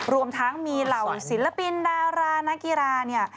รวมทั้งมีเหล่าศิลปินดารานักกีฬาเนี่ย